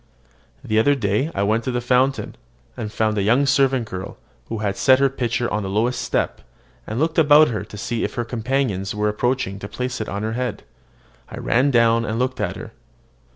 The other day I went to the fountain, and found a young servant girl, who had set her pitcher on the lowest step, and looked around to see if one of her companions was approaching to place it on her head. I ran down, and looked at her.